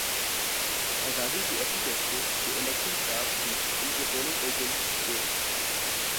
آزادی کی ایسی کیفیت کہ الیکشن سٹاف بھی ان کے پولنگ ایجنٹس کے